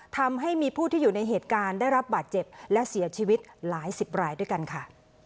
ทำให้มีผู้ที่อยู่ในเหตุการณ์ได้รับบาดเจ็บและเสียชีวิตหลายสิบรายด้วยกันค่ะ